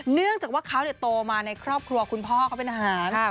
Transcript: เนื่องจากว่าเขาโตมาในครอบครัวคุณพ่อเขาเป็นอาหาร